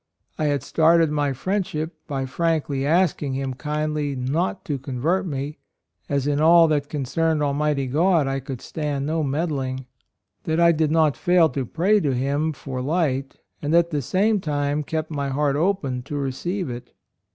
I had started my friendship by frankly asking him kindly not to convert me, as in all that 34 A ROYAL SON concerned Almighty God I could stand no meddling; that I did not fail to pray to Him for light, and at the same time kept my heart open to receive it.''